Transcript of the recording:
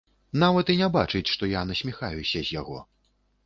Нават і не бачыць, што я насміхаюся з яго.